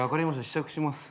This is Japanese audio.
試着します。